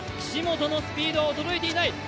岸本のスピードは衰えていない。